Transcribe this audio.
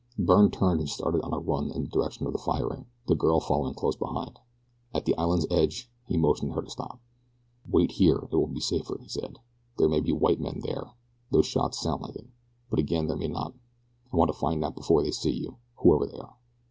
Byrne turned and started on a run in the direction of the firing, the girl following closely behind. At the island's edge he motioned her to stop. "Wait here, it will be safer," he said. "There may be white men there those shots sound like it, but again there may not. I want to find out before they see you, whoever they are."